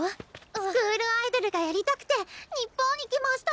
スクールアイドルがやりたくて日本に来ました！